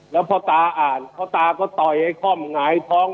แล้วพ่อตาอ่านพ่อตาก็ต่อยไอ้ค่อมหงายท้อง